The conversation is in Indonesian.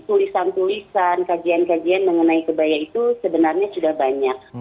tulisan tulisan kajian kajian mengenai kebaya itu sebenarnya sudah banyak